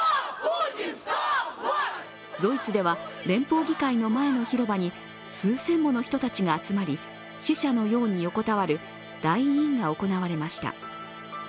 ドイツでは連邦議会の前の広場に数千もの人たちが集まり死者のように横たわるダイ・インが行われました。